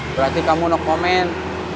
berarti kamu nok komen